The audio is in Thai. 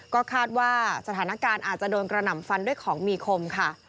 ก็คาดว่าสถานการณ์อาจจะโดนกระหน่ำฟันด้วยของมีคมค่ะ